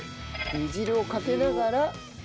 煮汁をかけながら温める。